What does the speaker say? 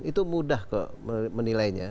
itu mudah kok menilainya